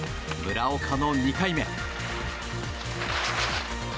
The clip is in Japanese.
村岡の２回目。